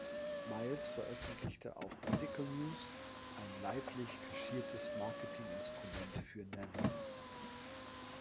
Miles veröffentlichte auch „Medical News“, ein leidlich kaschiertes Marketinginstrument für Nervine.